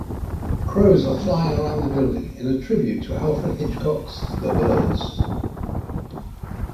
Crows are flying around the building, in a tribute to Alfred Hitchcock's "The Birds".